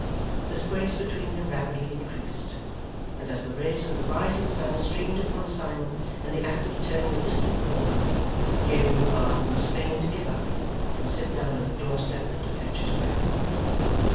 The space between them rapidly increased, and as the rays of the rising sun streamed upon Simon in the act of turning a distant corner, Gabriel Varden was fain to give up, and sit down on a doorstep to fetch his breath.